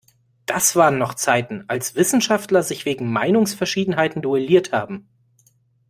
Das waren noch Zeiten, als Wissenschaftler sich wegen Meinungsverschiedenheiten duelliert haben!